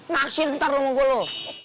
naksir bentar lo sama gue lo